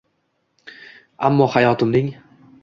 Ammo hayotimning